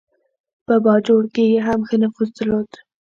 په باجوړ کې یې هم ښه نفوذ درلود.